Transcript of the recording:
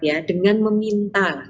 ya dengan meminta